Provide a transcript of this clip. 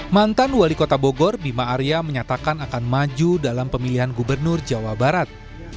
mantan wali kota bogor bima arya menyatakan akan maju dalam pemilihan gubernur jawa barat